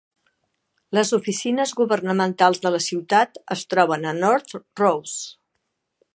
Les oficines governamentals de la ciutat es troben a North Rose.